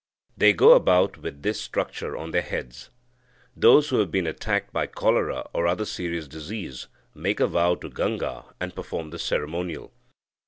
They go about with this structure on their heads. Those who have been attacked by cholera, or other serious disease, make a vow to Ganga, and perform this ceremonial.